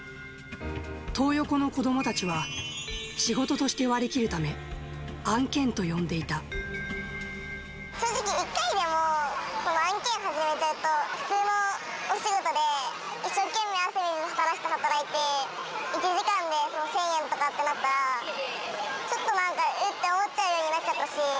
トー横の子どもたちは、仕事として割り切るため、案件と呼んでいそれでも１回でも、案件始めちゃうと、普通のお仕事で一生懸命、汗水流して働いて、１時間で１０００円とかってなったら、ちょっとなんか、うって思っちゃうようになっちゃったし。